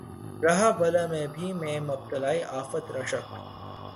رہا بلا میں بھی میں مبتلائے آفت رشک